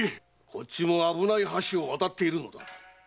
こっちも危ない橋を渡っているのだ。